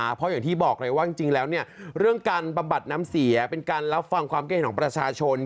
เพราะอย่างที่บอกเลยว่าจริงแล้วเนี่ยเรื่องการบำบัดน้ำเสียเป็นการรับฟังความคิดเห็นของประชาชน